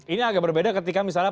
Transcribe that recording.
ini agak berbeda ketika misalnya